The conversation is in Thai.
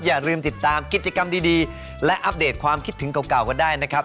อย่าลืมติดตามกิจกรรมดีและอัปเดตความคิดถึงเก่ากันได้นะครับ